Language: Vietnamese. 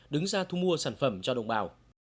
đứng ra thu mua sản phẩm cho đồng bào